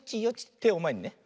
てをまえにね。